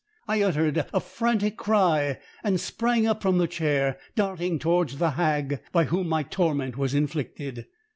I uttered a frantic cry and sprang up from the chair, darting towards the hag by whom my torment was inflicted.